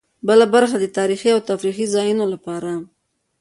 بله برخه د تاريخي او تفريحي ځایونو لپاره.